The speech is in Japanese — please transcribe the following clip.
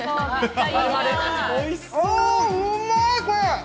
うまい、これ。